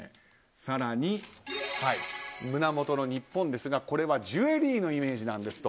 更に、胸元の「日本」ですがこれはジュエリーのイメージなんですと。